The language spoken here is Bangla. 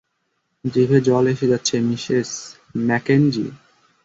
জিভে জল এসে যাচ্ছে, মিসেস ম্যাকেঞ্জি!